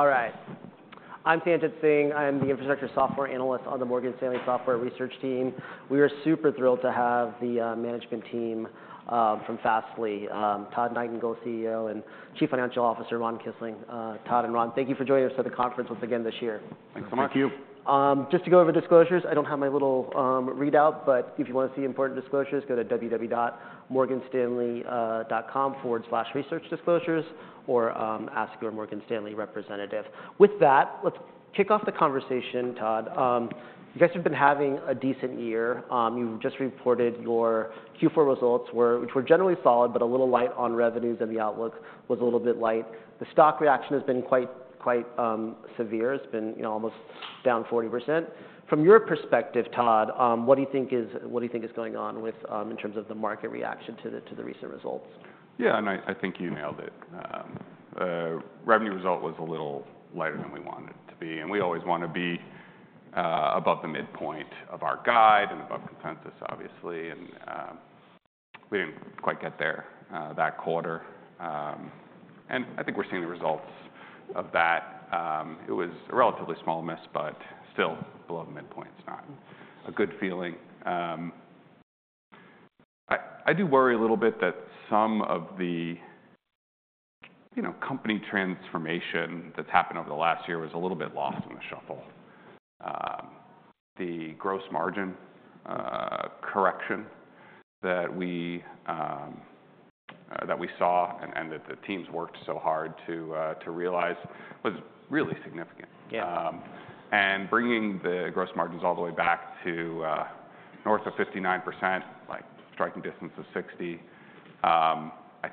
All right. I'm Sanjit Singh. I am the infrastructure software analyst on the Morgan Stanley Software Research team. We are super thrilled to have the management team from Fastly: Todd Nightingale, CEO, and Chief Financial Officer Ron Kisling. Todd and Ron, thank you for joining us at the conference once again this year. Thanks so much. Thank you. Just to go over disclosures, I don't have my little readout, but if you want to see important disclosures, go to www.morganstanley.com/researchdisclosures or ask your Morgan Stanley representative. With that, let's kick off the conversation, Todd. You guys have been having a decent year. You've just reported your Q4 results, which were generally solid but a little light on revenues, and the outlook was a little bit light. The stock reaction has been quite severe. It's been almost down 40%. From your perspective, Todd, what do you think is going on in terms of the market reaction to the recent results? Yeah, and I think you nailed it. Revenue result was a little lighter than we wanted it to be. And we always want to be above the midpoint of our guide and above consensus, obviously. And we didn't quite get there that quarter. And I think we're seeing the results of that. It was a relatively small miss, but still below the midpoint. It's not a good feeling. I do worry a little bit that some of the company transformation that's happened over the last year was a little bit lost in the shuffle. The gross margin correction that we saw and that the teams worked so hard to realize was really significant. And bringing the gross margins all the way back to north of 59%, striking distance of 60, I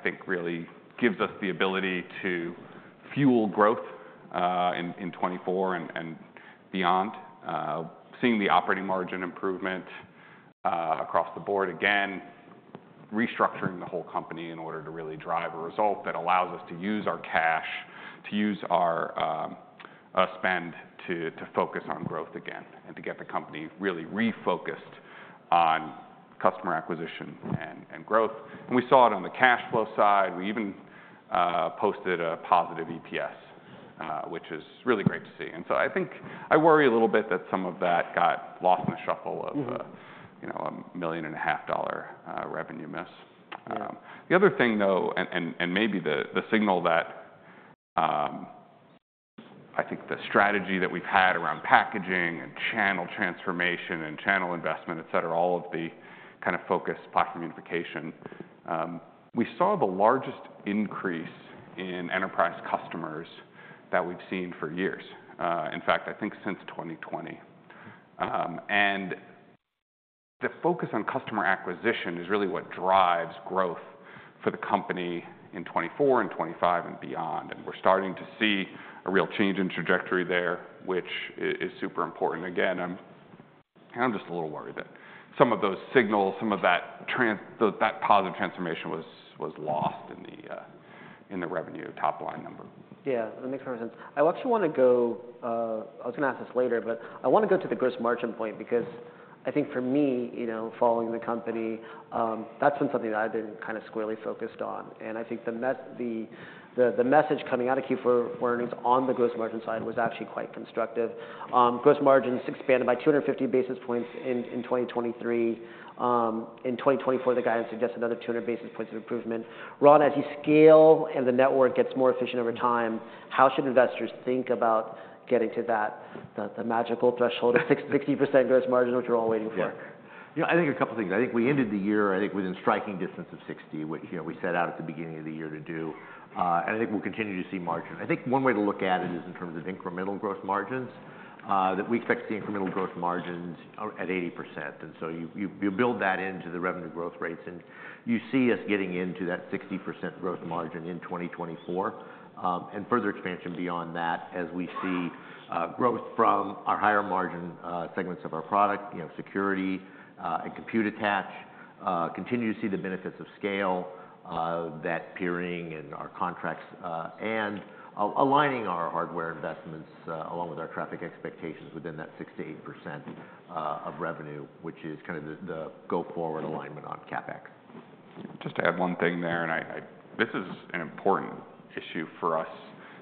think really gives us the ability to fuel growth in 2024 and beyond. Seeing the operating margin improvement across the board, again, restructuring the whole company in order to really drive a result that allows us to use our cash, to use our spend to focus on growth again, and to get the company really refocused on customer acquisition and growth. We saw it on the cash flow side. We even posted a positive EPS, which is really great to see. So I think I worry a little bit that some of that got lost in the shuffle of a $1.5 million revenue miss. The other thing, though, and maybe the signal that I think the strategy that we've had around packaging and channel transformation and channel investment, et cetera, all of the kind of focus platform unification, we saw the largest increase in enterprise customers that we've seen for years, in fact, I think since 2020. The focus on customer acquisition is really what drives growth for the company in 2024 and 2025 and beyond. We're starting to see a real change in trajectory there, which is super important. Again, I'm just a little worried that some of those signals, some of that positive transformation was lost in the revenue top line number. Yeah, that makes perfect sense. I actually want to go I was going to ask this later, but I want to go to the gross margin point because I think for me, following the company, that's been something that I've been kind of squarely focused on. And I think the message coming out of Q4 earnings on the gross margin side was actually quite constructive. Gross margins expanded by 250 basis points in 2023. In 2024, the guidance suggested another 200 basis points of improvement. Ron, as you scale and the network gets more efficient over time, how should investors think about getting to that, the magical threshold of 60% gross margin, which we're all waiting for? Yeah. I think a couple of things. I think we ended the year, I think, within striking distance of 60, which we set out at the beginning of the year to do. And I think we'll continue to see margin. I think one way to look at it is in terms of incremental gross margins, that we expect to see incremental gross margins at 80%. And so you build that into the revenue growth rates. And you see us getting into that 60% gross margin in 2024 and further expansion beyond that as we see growth from our higher margin segments of our product, security and compute attach, continue to see the benefits of scale. That peering and our contracts and aligning our hardware investments along with our traffic expectations within that 6%-8% of revenue, which is kind of the go-forward alignment on CapEx. Just to add one thing there, and this is an important issue for us,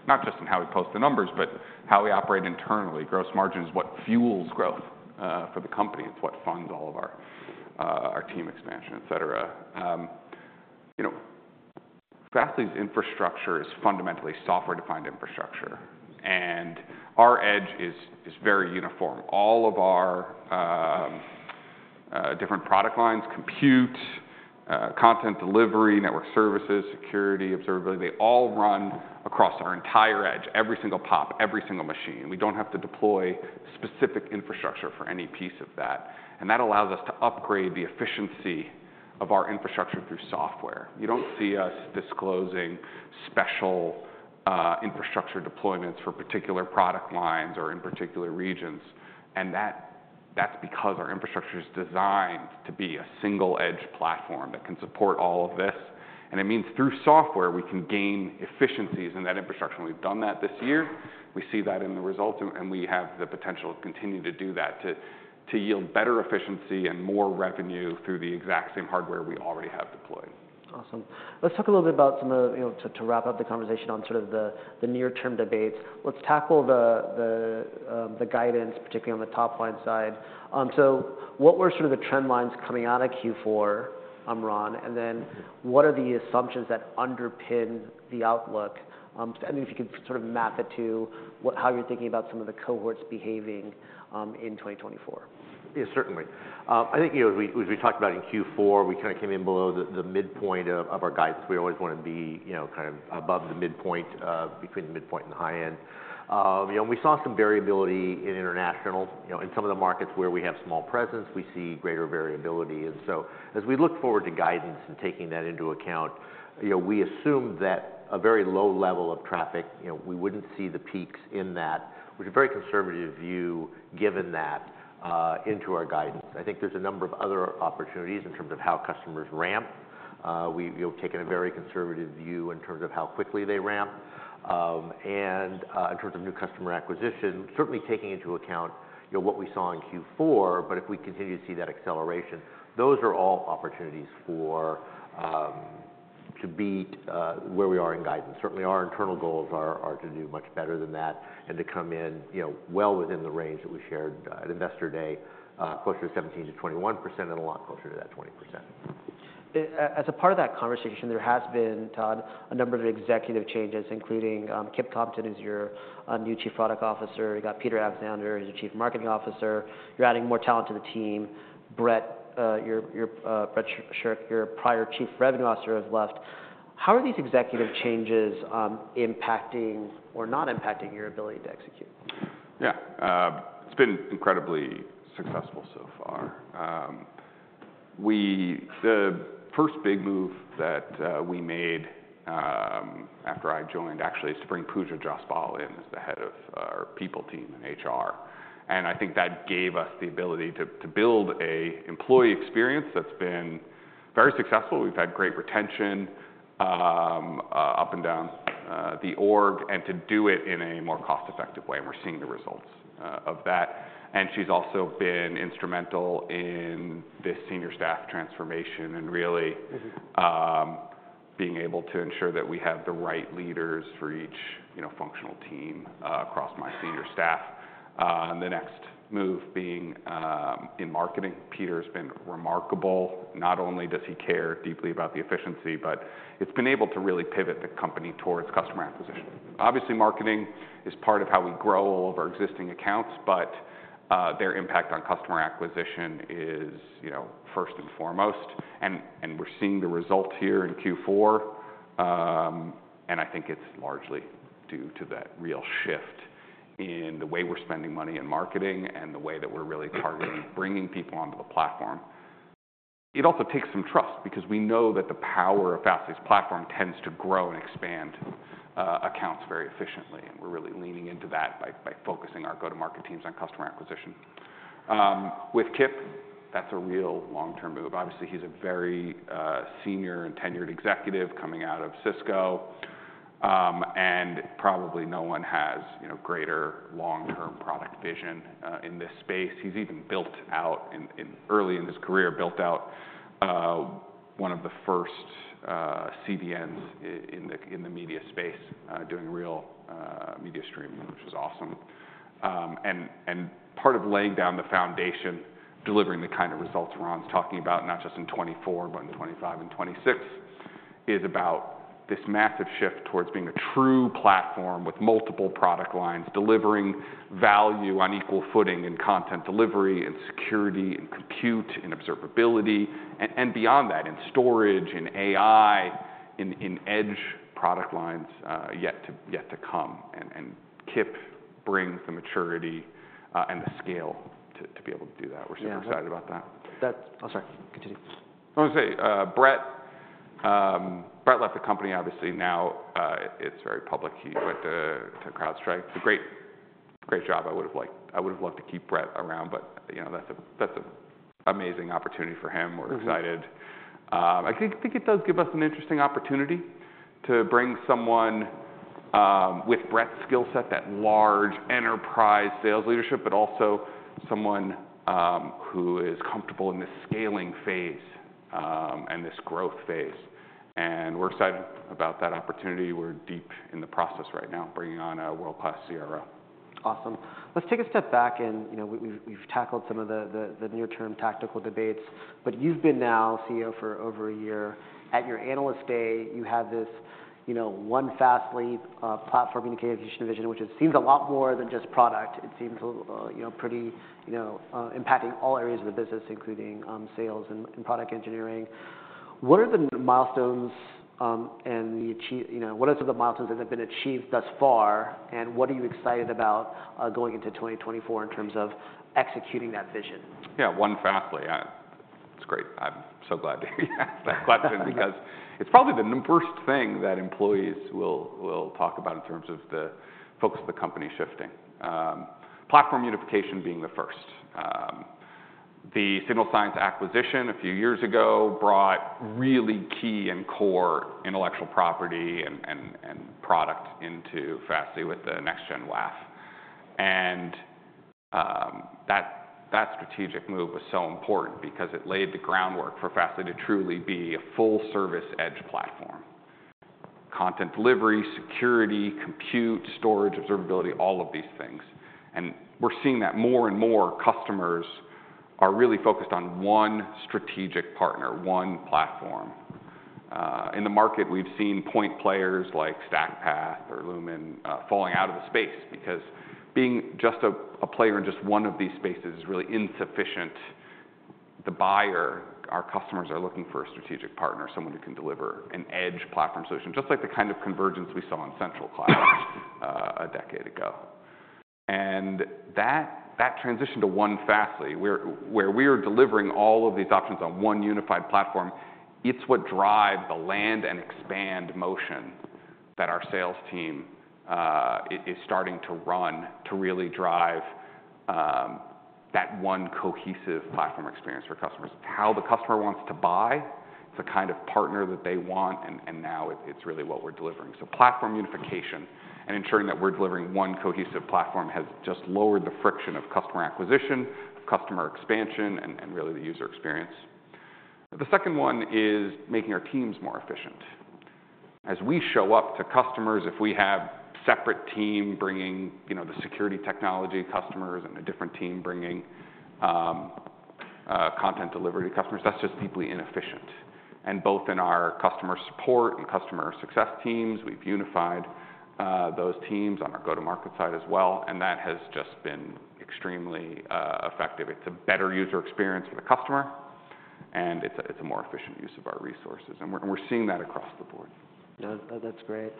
not just in how we post the numbers, but how we operate internally. Gross margin is what fuels growth for the company. It's what funds all of our team expansion, et cetera. Fastly's infrastructure is fundamentally software-defined infrastructure. And our edge is very uniform. All of our different product lines, Compute, content delivery, network services, security, Observability, they all run across our entire edge, every single POP, every single machine. We don't have to deploy specific infrastructure for any piece of that. And that allows us to upgrade the efficiency of our infrastructure through software. You don't see us disclosing special infrastructure deployments for particular product lines or in particular regions. And that's because our infrastructure is designed to be a single-edge platform that can support all of this. It means through software, we can gain efficiencies in that infrastructure. We've done that this year. We see that in the results. We have the potential to continue to do that, to yield better efficiency and more revenue through the exact same hardware we already have deployed. Awesome. Let's talk a little bit about some things to wrap up the conversation on sort of the near-term debates. Let's tackle the guidance, particularly on the top line side. So what were sort of the trend lines coming out of Q4, Ron? And then what are the assumptions that underpin the outlook? And then if you could sort of map it to how you're thinking about some of the cohorts behaving in 2024. Yeah, certainly. I think as we talked about in Q4, we kind of came in below the midpoint of our guidance. We always want to be kind of above the midpoint, between the midpoint and the high end. And we saw some variability in international. In some of the markets where we have small presence, we see greater variability. And so as we look forward to guidance and taking that into account, we assumed that a very low level of traffic, we wouldn't see the peaks in that, which is a very conservative view given that, into our guidance. I think there's a number of other opportunities in terms of how customers ramp. We've taken a very conservative view in terms of how quickly they ramp. In terms of new customer acquisition, certainly taking into account what we saw in Q4, but if we continue to see that acceleration, those are all opportunities to beat where we are in guidance. Certainly, our internal goals are to do much better than that and to come in well within the range that we shared at Investor Day, closer to 17%-21% and a lot closer to that 20%. As a part of that conversation, there has been, Todd, a number of executive changes, including Kip Compton is your new Chief Product Officer. You got Peter Alexander who's your Chief Marketing Officer. You're adding more talent to the team. Brett Shirk, your prior Chief Revenue Officer, has left. How are these executive changes impacting or not impacting your ability to execute? Yeah. It's been incredibly successful so far. The first big move that we made after I joined actually is to bring Puja Jaspal in as the head of our people team in HR. And I think that gave us the ability to build an employee experience that's been very successful. We've had great retention. Up and down the org. And to do it in a more cost-effective way. And we're seeing the results of that. And she's also been instrumental in this senior staff transformation and really being able to ensure that we have the right leaders for each functional team across my senior staff. And the next move being in marketing. Peter has been remarkable. Not only does he care deeply about the efficiency, but it's been able to really pivot the company towards customer acquisition. Obviously, marketing is part of how we grow all of our existing accounts, but their impact on customer acquisition is first and foremost. We're seeing the results here in Q4. I think it's largely due to that real shift in the way we're spending money in marketing and the way that we're really targeting bringing people onto the platform. It also takes some trust because we know that the power of Fastly's platform tends to grow and expand accounts very efficiently. We're really leaning into that by focusing our go-to-market teams on customer acquisition. With Kip, that's a real long-term move. Obviously, he's a very senior and tenured executive coming out of Cisco. Probably no one has greater long-term product vision in this space. He's even built out early in his career, built out one of the first CDNs in the media space, doing real media streaming, which was awesome. Part of laying down the foundation, delivering the kind of results Ron's talking about, not just in 2024 but in 2025 and 2026, is about this massive shift towards being a true platform with multiple product lines, delivering value on equal footing in content delivery and security and Compute and Observability, and beyond that, in storage, in AI, in edge product lines yet to come. Kip brings the maturity and the scale to be able to do that. We're super excited about that. Oh, sorry. Continue. I was going to say, Brett left the company, obviously. Now it's very public. But to CrowdStrike, great job. I would have loved to keep Brett around, but that's an amazing opportunity for him. We're excited. I think it does give us an interesting opportunity to bring someone with Brett's skill set, that large enterprise sales leadership, but also someone who is comfortable in this scaling phase and this growth phase. And we're excited about that opportunity. We're deep in the process right now, bringing on a world-class CRO. Awesome. Let's take a step back. We've tackled some of the near-term tactical debates. You've been now CEO for over a year. At your analyst day, you had this One Fastly platform communication vision, which seems a lot more than just product. It seems pretty impacting all areas of the business, including sales and product engineering. What are the milestones and what are some of the milestones that have been achieved thus far? And what are you excited about going into 2024 in terms of executing that vision? Yeah, on Fastly. It's great. I'm so glad to hear you ask that question because it's probably the first thing that employees will talk about in terms of the focus of the company shifting, platform unification being the first. The Signal Sciences acquisition a few years ago brought really key and core intellectual property and product into Fastly with the Next-Gen WAF. That strategic move was so important because it laid the groundwork for Fastly to truly be a full-service edge platform. Content delivery, security, Compute, storage, Observability, all of these things. We're seeing that more and more customers are really focused on one strategic partner, one platform. In the market, we've seen point players like StackPath or Lumen falling out of the space because being just a player in just one of these spaces is really insufficient. The buyer, our customers, are looking for a strategic partner, someone who can deliver an edge platform solution, just like the kind of convergence we saw in central cloud a decade ago. That transition to One Fastly, where we are delivering all of these options on one unified platform, it's what drives the land and expand motion that our sales team is starting to run to really drive that one cohesive platform experience for customers. It's how the customer wants to buy. It's the kind of partner that they want. Now it's really what we're delivering. Platform unification and ensuring that we're delivering one cohesive platform has just lowered the friction of customer acquisition, customer expansion, and really the user experience. The second one is making our teams more efficient. As we show up to customers, if we have a separate team bringing the security technology customers and a different team bringing content delivery to customers, that's just deeply inefficient. Both in our customer support and customer success teams, we've unified those teams on our go-to-market side as well. That has just been extremely effective. It's a better user experience for the customer. It's a more efficient use of our resources. We're seeing that across the board. That's great.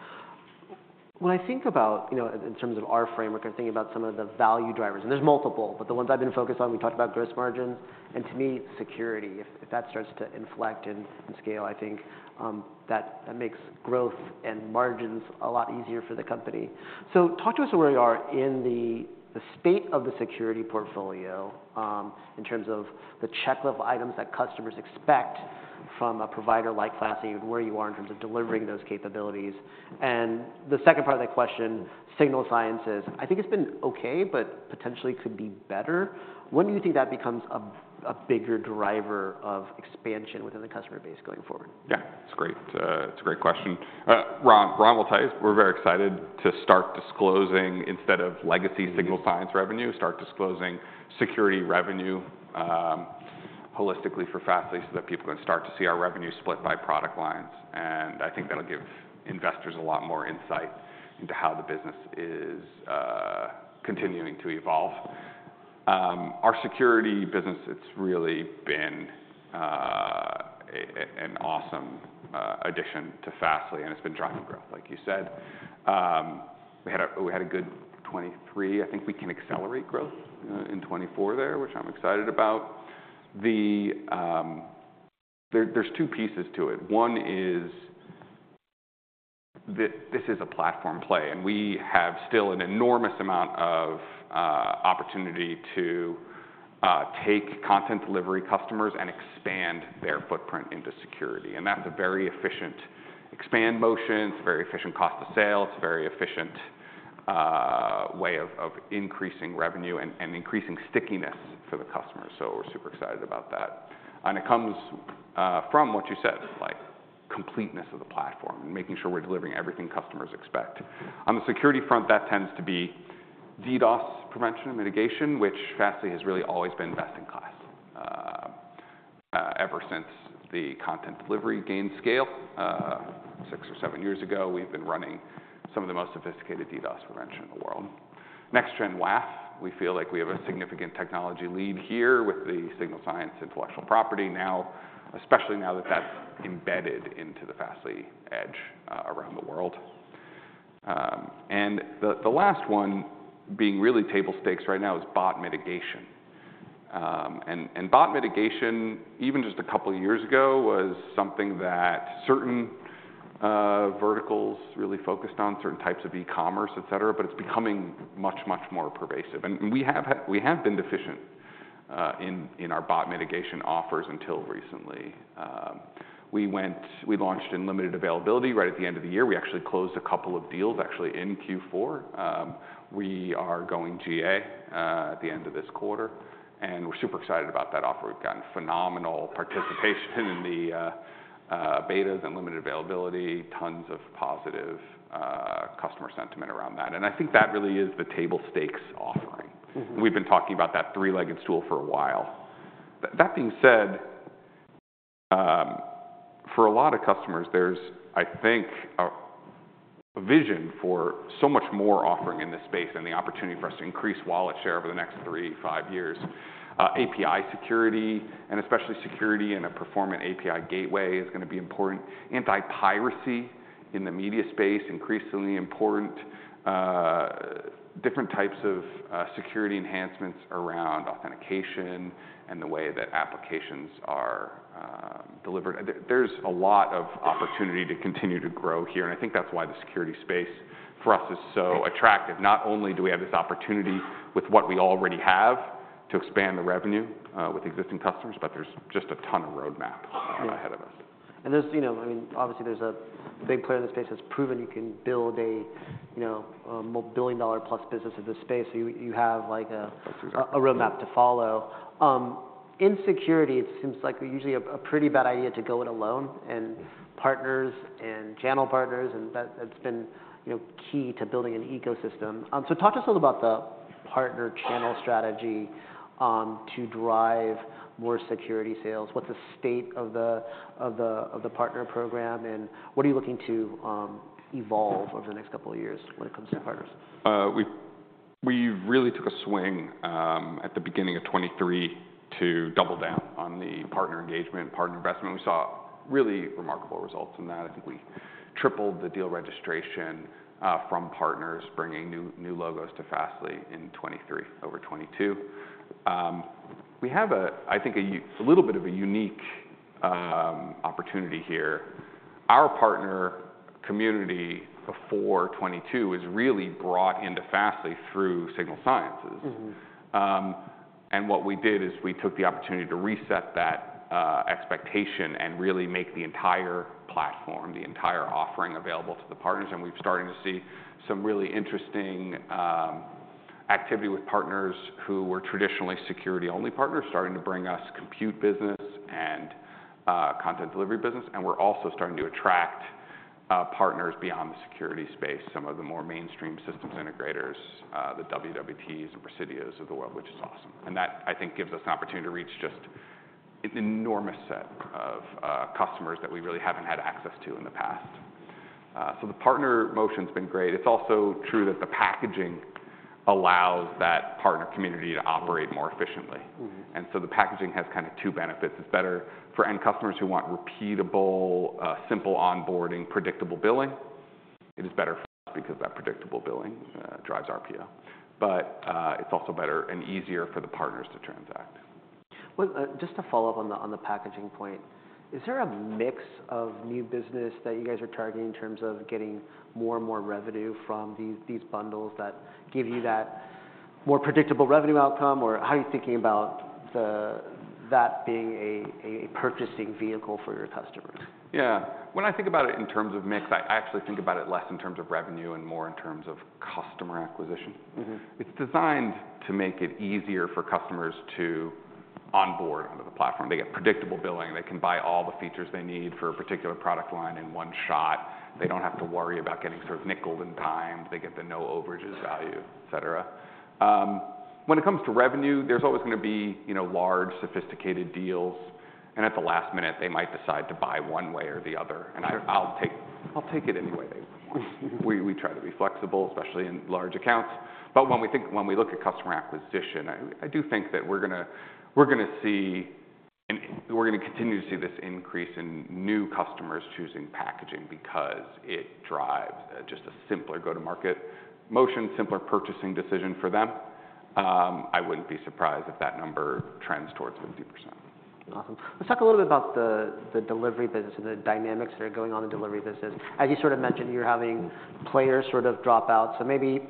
When I think about in terms of our framework, I'm thinking about some of the value drivers. And there's multiple, but the ones I've been focused on, we talked about gross margins. And to me, security, if that starts to inflect and scale, I think that makes growth and margins a lot easier for the company. So talk to us where you are in the state of the security portfolio in terms of the checklist of items that customers expect from a provider like Fastly, where you are in terms of delivering those capabilities. And the second part of that question, Signal Sciences, I think it's been OK but potentially could be better. When do you think that becomes a bigger driver of expansion within the customer base going forward? Yeah, it's a great question. Ron will tell you. We're very excited to start disclosing, instead of legacy Signal Sciences revenue, start disclosing security revenue holistically for Fastly so that people can start to see our revenue split by product lines. And I think that'll give investors a lot more insight into how the business is continuing to evolve. Our security business, it's really been an awesome addition to Fastly. And it's been driving growth, like you said. We had a good 2023. I think we can accelerate growth in 2024 there, which I'm excited about. There's two pieces to it. One is that this is a platform play. And we have still an enormous amount of opportunity to take content delivery customers and expand their footprint into security. And that's a very efficient expand motion. It's a very efficient cost of sale. It's a very efficient way of increasing revenue and increasing stickiness for the customers. So we're super excited about that. And it comes from what you said, completeness of the platform and making sure we're delivering everything customers expect. On the security front, that tends to be DDoS prevention and mitigation, which Fastly has really always been best in class ever since the content delivery gained scale. Six or seven years ago, we've been running some of the most sophisticated DDoS prevention in the world. Next-Gen WAF, we feel like we have a significant technology lead here with the Signal Sciences intellectual property, especially now that that's embedded into the Fastly edge around the world. And the last one being really table stakes right now is bot mitigation. Bot mitigation, even just a couple of years ago, was something that certain verticals really focused on, certain types of e-commerce, et cetera. But it's becoming much, much more pervasive. We have been deficient in our bot mitigation offers until recently. We launched limited availability right at the end of the year. We actually closed a couple of deals, actually in Q4. We are going GA at the end of this quarter. We're super excited about that offer. We've gotten phenomenal participation in the betas and limited availability, tons of positive customer sentiment around that. I think that really is the table stakes offering. We've been talking about that three-legged stool for a while. That being said, for a lot of customers, there's, I think, a vision for so much more offering in this space and the opportunity for us to increase wallet share over the next 3-5 years. API security, and especially security in a performant API gateway, is going to be important. Anti-piracy in the media space, increasingly important. Different types of security enhancements around authentication and the way that applications are delivered. There's a lot of opportunity to continue to grow here. And I think that's why the security space for us is so attractive. Not only do we have this opportunity with what we already have to expand the revenue with existing customers, but there's just a ton of roadmap ahead of us. Obviously, there's a big player in this space that's proven you can build a billion-dollar-plus business in this space. So you have a roadmap to follow. In security, it seems like usually a pretty bad idea to go it alone and partners and channel partners. And that's been key to building an ecosystem. So talk to us a little about the partner channel strategy to drive more security sales. What's the state of the partner program? And what are you looking to evolve over the next couple of years when it comes to partners? We really took a swing at the beginning of 2023 to double down on the partner engagement, partner investment. We saw really remarkable results in that. I think we tripled the deal registration from partners bringing new logos to Fastly in 2023 over 2022. We have, I think, a little bit of a unique opportunity here. Our partner community before 2022 was really brought into Fastly through Signal Sciences. And what we did is we took the opportunity to reset that expectation and really make the entire platform, the entire offering available to the partners. And we've started to see some really interesting activity with partners who were traditionally security-only partners starting to bring us compute business and content delivery business. And we're also starting to attract partners beyond the security space, some of the more mainstream systems integrators, the WWTs and Presidios of the world, which is awesome. That, I think, gives us an opportunity to reach just an enormous set of customers that we really haven't had access to in the past. So the partner motion's been great. It's also true that the packaging allows that partner community to operate more efficiently. And so the packaging has kind of two benefits. It's better for end customers who want repeatable, simple onboarding, predictable billing. It is better for us because that predictable billing drives RPO. But it's also better and easier for the partners to transact. Just to follow up on the packaging point, is there a mix of new business that you guys are targeting in terms of getting more and more revenue from these bundles that give you that more predictable revenue outcome? Or how are you thinking about that being a purchasing vehicle for your customers? Yeah, when I think about it in terms of mix, I actually think about it less in terms of revenue and more in terms of customer acquisition. It's designed to make it easier for customers to onboard onto the platform. They get predictable billing. They can buy all the features they need for a particular product line in one shot. They don't have to worry about getting sort of nickeled and dimed. They get the no-overages value, et cetera. When it comes to revenue, there's always going to be large, sophisticated deals. At the last minute, they might decide to buy one way or the other. I'll take it any way they want. We try to be flexible, especially in large accounts. When we look at customer acquisition, I do think that we're going to see and we're going to continue to see this increase in new customers choosing packaging because it drives just a simpler go-to-market motion, simpler purchasing decision for them. I wouldn't be surprised if that number trends towards 50%. Awesome. Let's talk a little bit about the delivery business and the dynamics that are going on in the delivery business. As you sort of mentioned, you're having players sort of drop out. So maybe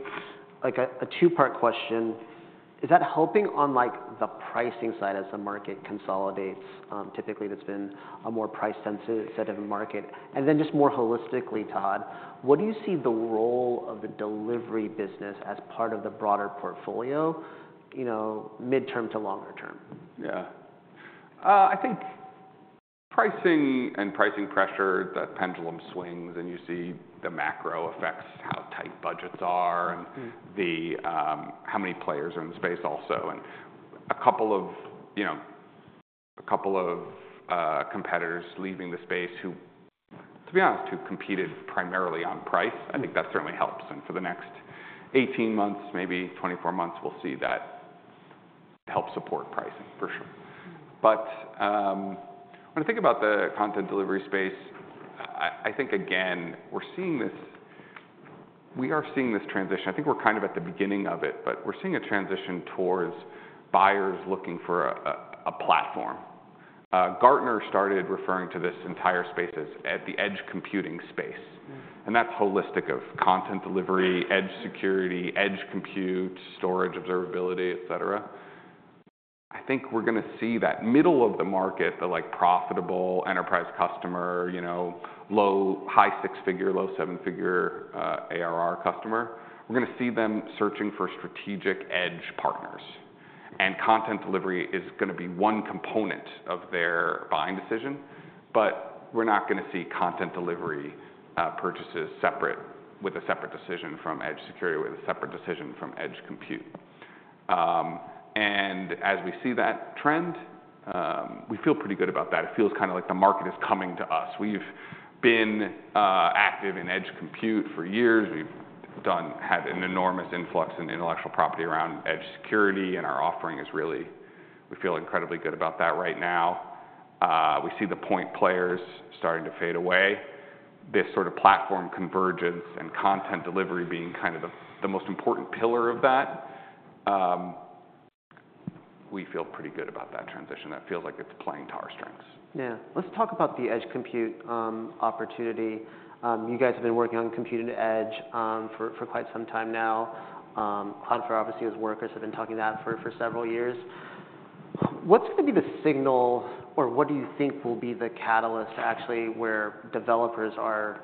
a two-part question, is that helping on the pricing side as the market consolidates? Typically, that's been a more price-sensitive market. And then just more holistically, Todd, what do you see the role of the delivery business as part of the broader portfolio mid-term to longer term? Yeah, I think pricing and pricing pressure, that pendulum swings. And you see the macro affects how tight budgets are and how many players are in the space also. And a couple of competitors leaving the space who, to be honest, who competed primarily on price, I think that certainly helps. And for the next 18 months, maybe 24 months, we'll see that help support pricing, for sure. But when I think about the content delivery space, I think, again, we're seeing this we are seeing this transition. I think we're kind of at the beginning of it. But we're seeing a transition towards buyers looking for a platform. Gartner started referring to this entire space as the edge computing space. And that's holistic of content delivery, edge security, edge compute, storage, observability, et cetera. I think we're going to see that middle of the market, the profitable enterprise customer, low high six-figure, low seven-figure ARR customer, we're going to see them searching for strategic edge partners. Content delivery is going to be one component of their buying decision. But we're not going to see content delivery purchases separate, with a separate decision from edge security or with a separate decision from edge compute. As we see that trend, we feel pretty good about that. It feels kind of like the market is coming to us. We've been active in edge compute for years. We've had an enormous influx in intellectual property around edge security. Our offering is really, we feel, incredibly good about that right now. We see the point players starting to fade away, this sort of platform convergence and content delivery being kind of the most important pillar of that. We feel pretty good about that transition. That feels like it's playing to our strengths. Yeah, let's talk about the edge compute opportunity. You guys have been working on compute and edge for quite some time now. Cloudflare obviously has been talking to that for several years. What's going to be the signal or what do you think will be the catalyst to actually where developers are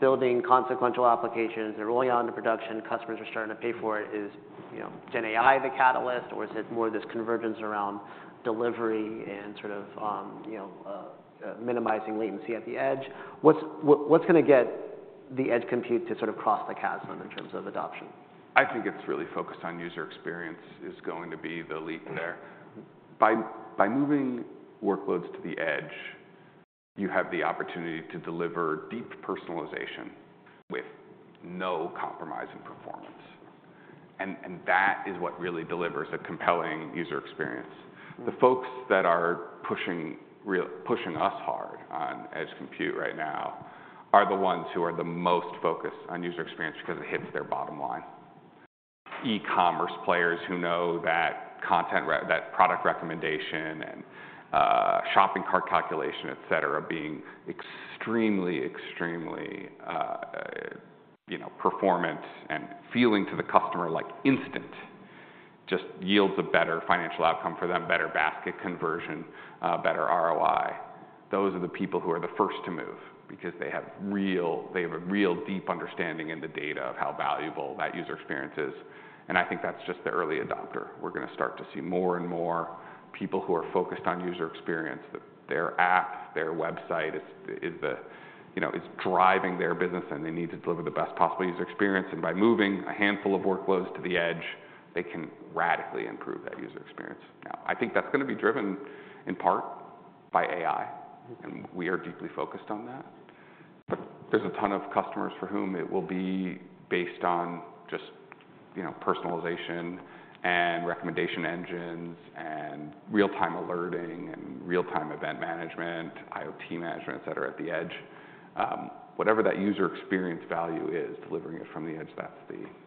building consequential applications and rolling out into production, customers are starting to pay for it? Is Gen AI the catalyst? Or is it more this convergence around delivery and sort of minimizing latency at the edge? What's going to get the edge compute to sort of cross the chasm in terms of adoption? I think it's really focused on user experience is going to be the leap there. By moving workloads to the edge, you have the opportunity to deliver deep personalization with no compromise in performance. That is what really delivers a compelling user experience. The folks that are pushing us hard on edge compute right now are the ones who are the most focused on user experience because it hits their bottom line. E-commerce players who know that product recommendation and shopping cart calculation, et cetera, being extremely, extremely performant and feeling to the customer like instant just yields a better financial outcome for them, better basket conversion, better ROI, those are the people who are the first to move because they have a real deep understanding in the data of how valuable that user experience is. I think that's just the early adopter. We're going to start to see more and more people who are focused on user experience, that their app, their website is driving their business. And they need to deliver the best possible user experience. And by moving a handful of workloads to the edge, they can radically improve that user experience. Now, I think that's going to be driven in part by AI. And we are deeply focused on that. But there's a ton of customers for whom it will be based on just personalization and recommendation engines and real-time alerting and real-time event management, IoT management, et cetera, at the edge. Whatever that user experience value is, delivering it from the edge, that's,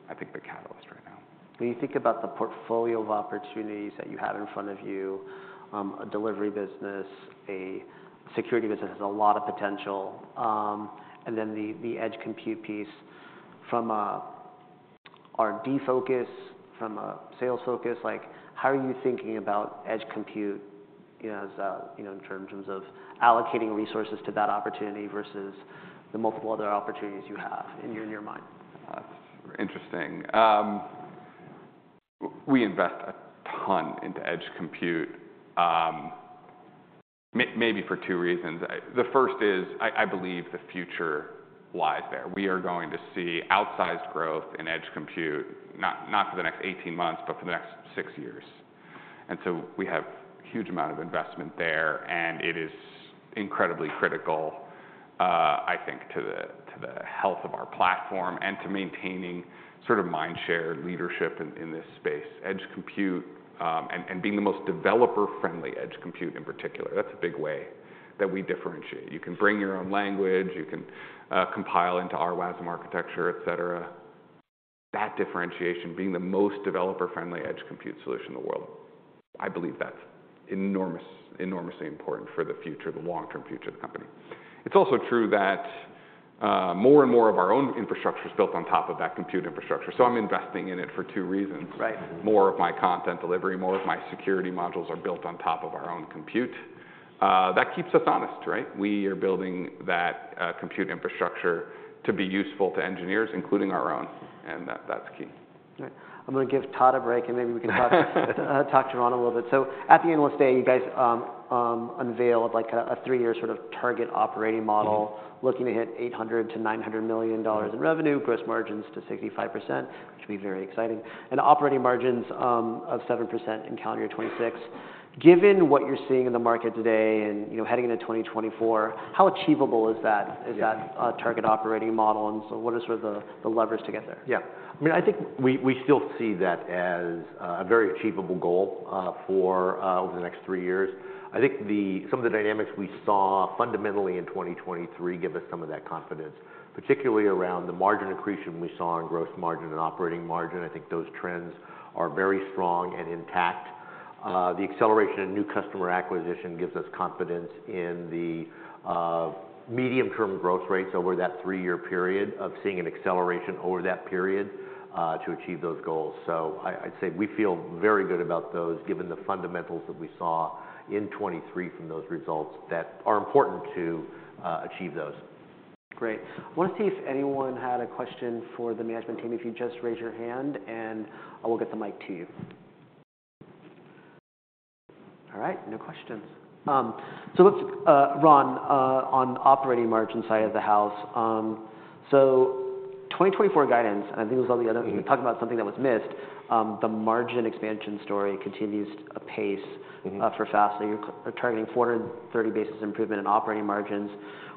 I think, the catalyst right now. When you think about the portfolio of opportunities that you have in front of you, a delivery business, a security business has a lot of potential. Then the edge compute piece, from our defocus, from a sales focus, how are you thinking about edge compute in terms of allocating resources to that opportunity versus the multiple other opportunities you have in your mind? That's interesting. We invest a ton into edge compute maybe for 2 reasons. The first is I believe the future lies there. We are going to see outsized growth in edge compute, not for the next 18 months, but for the next 6 years. And so we have a huge amount of investment there. And it is incredibly critical, I think, to the health of our platform and to maintaining sort of mindshare leadership in this space, edge compute and being the most developer-friendly edge compute in particular. That's a big way that we differentiate. You can bring your own language. You can compile into our WASM architecture, et cetera. That differentiation, being the most developer-friendly edge compute solution in the world, I believe that's enormously important for the future, the long-term future of the company. It's also true that more and more of our own infrastructure is built on top of that compute infrastructure. So I'm investing in it for two reasons. More of my content delivery, more of my security modules are built on top of our own compute. That keeps us honest, right? We are building that compute infrastructure to be useful to engineers, including our own. And that's key. I'm going to give Todd a break. Maybe we can talk to Ron a little bit. At the end of this day, you guys unveiled a three-year sort of target operating model, looking to hit $800-$900 million in revenue, gross margins to 65%, which will be very exciting, and operating margins of 7% in calendar year 2026. Given what you're seeing in the market today and heading into 2024, how achievable is that target operating model? What are sort of the levers to get there? Yeah, I mean, I think we still see that as a very achievable goal over the next three years. I think some of the dynamics we saw fundamentally in 2023 give us some of that confidence, particularly around the margin increase we saw in gross margin and operating margin. I think those trends are very strong and intact. The acceleration in new customer acquisition gives us confidence in the medium-term growth rate. So we're that three-year period of seeing an acceleration over that period to achieve those goals. So I'd say we feel very good about those given the fundamentals that we saw in 2023 from those results that are important to achieve those. Great. I want to see if anyone had a question for the management team. If you just raise your hand, and I will get the mic to you. All right, no questions. So let's Ron, on operating margin side of the house. So 2024 guidance, and I think it was all the other talking about something that was missed, the margin expansion story continues to pace for Fastly. You're targeting 430 basis improvement in operating margins.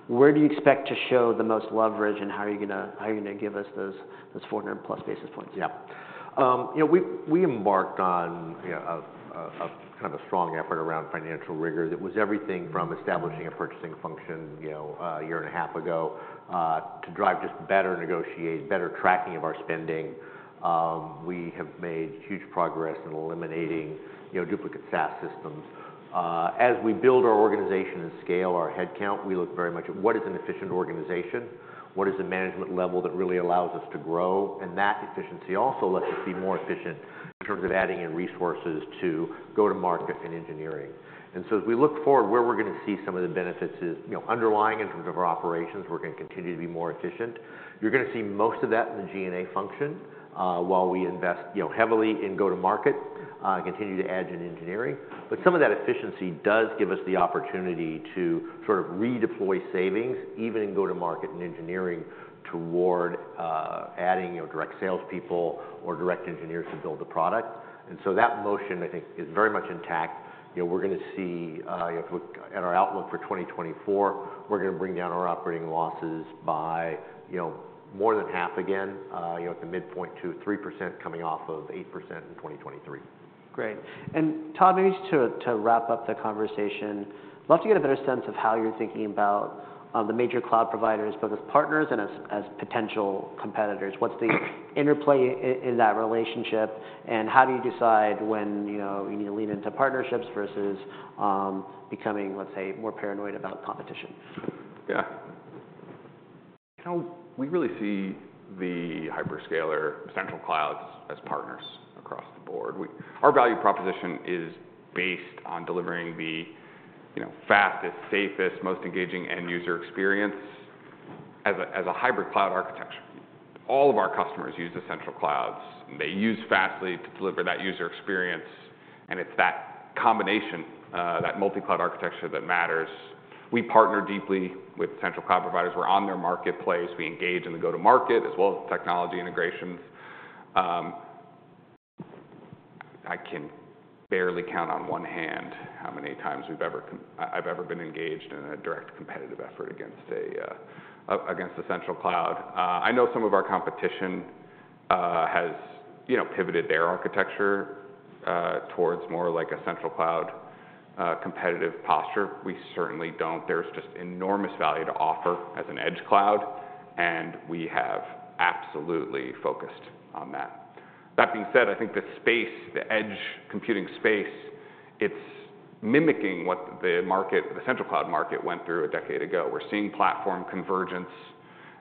Where do you expect to show the most leverage? And how are you going to give us those 400+ basis points? Yeah, we embarked on kind of a strong effort around financial rigor. That was everything from establishing a purchasing function a year and a half ago to drive just better negotiation, better tracking of our spending. We have made huge progress in eliminating duplicate SaaS systems. As we build our organization and scale our headcount, we look very much at what is an efficient organization? What is the management level that really allows us to grow? And that efficiency also lets us be more efficient in terms of adding in resources to go-to-market and engineering. And so as we look forward, where we're going to see some of the benefits is underlying in terms of our operations. We're going to continue to be more efficient. You're going to see most of that in the G&A function while we invest heavily in go-to-market, continue to add in engineering. But some of that efficiency does give us the opportunity to sort of redeploy savings, even in go-to-market and engineering, toward adding direct salespeople or direct engineers to build the product. And so that motion, I think, is very much intact. We're going to see if we look at our outlook for 2024, we're going to bring down our operating losses by more than half again at the midpoint to 3% coming off of 8% in 2023. Great. And Todd, maybe just to wrap up the conversation, I'd love to get a better sense of how you're thinking about the major cloud providers, both as partners and as potential competitors. What's the interplay in that relationship? And how do you decide when you need to lean into partnerships versus becoming, let's say, more paranoid about competition? Yeah, we really see the hyperscaler central clouds as partners across the board. Our value proposition is based on delivering the fastest, safest, most engaging end-user experience as a hybrid cloud architecture. All of our customers use the central clouds. And they use Fastly to deliver that user experience. And it's that combination, that multi-cloud architecture that matters. We partner deeply with central cloud providers. We're on their marketplace. We engage in the go-to-market as well as technology integrations. I can barely count on one hand how many times I've ever been engaged in a direct competitive effort against the central cloud. I know some of our competition has pivoted their architecture towards more like a central cloud competitive posture. We certainly don't. There's just enormous value to offer as an edge cloud. And we have absolutely focused on that. That being said, I think the space, the edge computing space, it's mimicking what the central cloud market went through a decade ago. We're seeing platform convergence.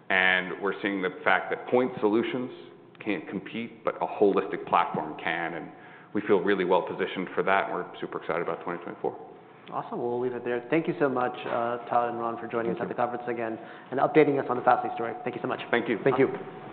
We're seeing the fact that point solutions can't compete, but a holistic platform can. We feel really well positioned for that. We're super excited about 2024. Awesome. We'll leave it there. Thank you so much, Todd and Ron, for joining us at the conference again and updating us on the Fastly story. Thank you so much. Thank you. Thank you.